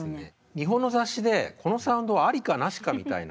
日本の雑誌でこのサウンドはありかなしかみたいな。